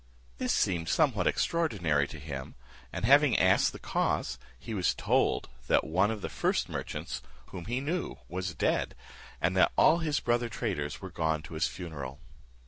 This seemed somewhat extraordinary to him and having asked the cause, he was told, that one of the first merchants, whom he knew, was dead, and that all his brother traders were gone to his funeral.